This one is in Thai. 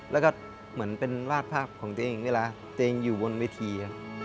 แล้วก็เหมือนเป็นวาดภาพของตัวเองเวลาตัวเองอยู่บนเวที